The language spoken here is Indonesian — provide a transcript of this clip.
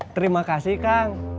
terima kasih kang